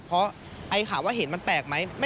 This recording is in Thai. เพราะไอ้ข่าวว่าเห็นมันแปลกไหม